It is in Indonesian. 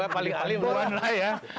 paling alih duluan lah ya